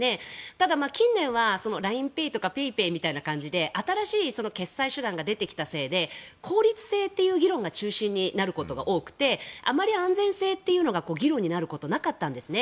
ただ近年はＬＩＮＥＰａｙやＰａｙＰａｙみたいな感じで新しい決済手段が出てきたせいで効率性という議論が中心になることが多くてあまり安全性というのが議論になることなかったんですね。